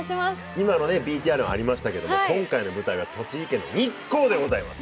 今のＶＴＲにありましたけど、今回の舞台は栃木県の日光でございます。